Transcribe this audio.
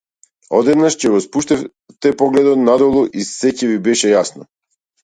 Одеднаш ќе го спуштевте погледот надолу и сѐ ќе ви беше јасно.